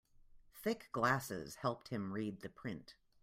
Thick glasses helped him read the print.